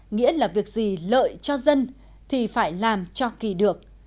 nghĩa là việc gì lợi cho dân thì phải làm cho kỳ được